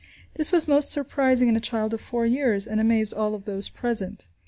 This was most surprising in a child of four years, and amazed all of those present.